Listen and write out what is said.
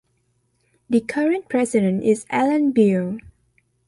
The current president is Allen Buell.